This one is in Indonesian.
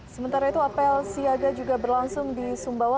sementara itu apel siaga juga berlangsung di sumbawa